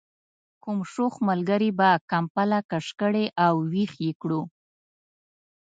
کوم شوخ ملګري به کمپله کش کړې او ویښ یې کړو.